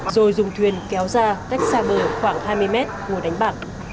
rồi dùng thuyền kéo ra cách xa bờ khoảng hai mươi mét ngồi đánh bạc